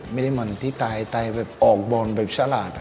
ไม่ได้มันที่ไทยไทยออกบอลแบบฉลาด